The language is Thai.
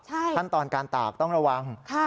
ขั้นตอนการตากต้องระวัง